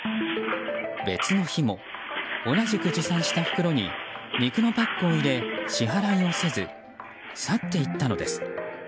別の日も、同じく持参した袋に肉のパックを入れ、支払いをせず去っていったのです。